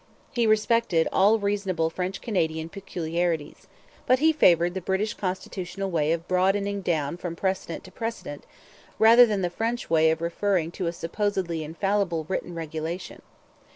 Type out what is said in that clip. He respected all reasonable French Canadian peculiarities. But he favoured the British Constitutional way of 'broadening down from precedent to precedent' rather than the French way of referring to a supposedly infallible written regulation.